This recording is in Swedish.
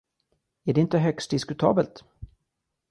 Är inte det högst diskutabelt?